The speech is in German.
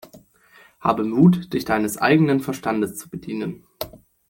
Habe Mut, dich deines eigenen Verstandes zu bedienen!